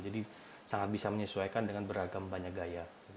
jadi sangat bisa menyesuaikan dengan beragam banyak gaya